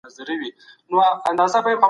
ټولنه نسي کولای چي له علماوو پرته پرمختګ وکړي.